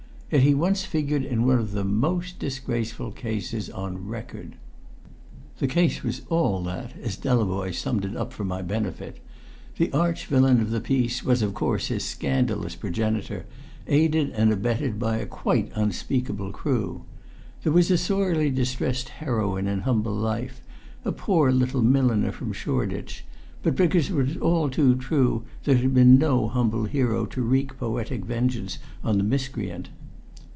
Yet he once figured in one of the most disgraceful cases on record." The case was all that, as Delavoye summed it up for my benefit. The arch villain of the piece was of course his scandalous progenitor, aided and abetted by a quite unspeakable crew. There was a sorely distressed heroine in humble life a poor little milliner from Shoreditch but because it was all too true, there had been no humble hero to wreak poetic vengeance on the miscreant.